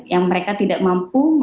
ya yang mereka tidak mampu melampiaskan